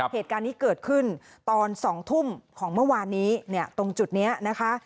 เหตุการณ์นี้เกิดขึ้นตอน๒ทุ่มของเมื่อวานนี้เนี่ยตรงจุดนี้นะคะ